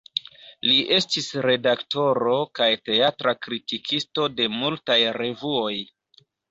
Li estis redaktoro kaj teatra kritikisto de multaj revuoj.